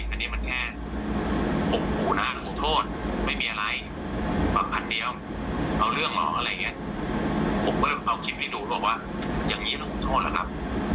ผมก็เอาคลิปไปดูบอกว่าอย่างนี้ผมขู่โทษหรอครับ